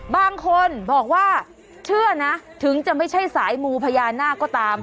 บางคนบอกว่าเชื่อนะถึงจะไม่ใช่สายมูพญานาคก็ตาม